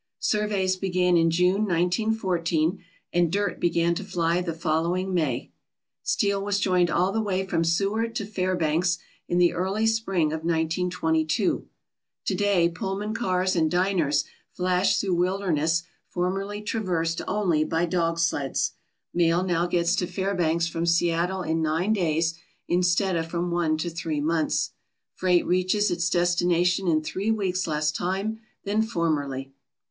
Sur veys began in June, 1914, and dirt began to fly the follow ing May. Steel was joined all the way from Seward to Fairbanks in the early spring of 1922. To day Pullman cars and diners flash through wilderness formerly trav 271 ALASKA OUR NORTHERN WONDERLAND ersed only by dog sleds. Mail now gets to Fairbanks from Seattle in nine days instead of from one to three months. Freight reaches its destination in three weeks' less time than formerly.